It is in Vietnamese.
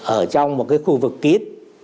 ở trong một cái khu vực kít